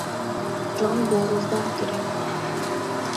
• Jon bo‘g‘izdan kelar.